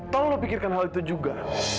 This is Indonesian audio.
kalau lo pikirkan hal itu juga